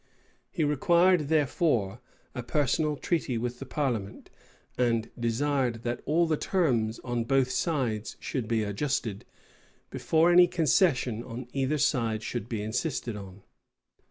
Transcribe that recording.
He required, therefore, a personal treaty with the parliament, and desired that all the terms on both sides should be adjusted, before any concession on either side should be insisted on.